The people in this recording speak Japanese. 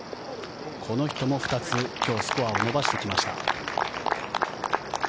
この人も２つ、今日スコアを伸ばしてきました。